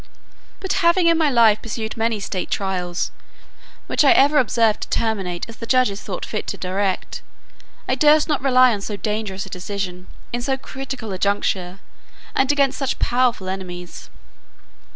But having in my life perused many state trials, which I ever observed to terminate as the judges thought fit to direct, I durst not rely on so dangerous a decision, in so critical a juncture, and against such powerful enemies.